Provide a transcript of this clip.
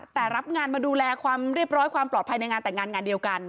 แต่รับงานมาดูแลความเรียบร้อยความปลอดภัยในงานแต่งงานงานเดียวกัน